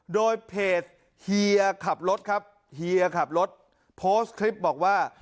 โดยเพจเฮียขับรถครับเฮียขับรถโพสต์คลิปบอกว่า